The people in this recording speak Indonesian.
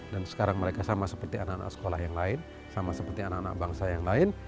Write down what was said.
dan sekarang mereka sama seperti anak anak sekolah yang lain sama seperti anak anak bangsa yang lain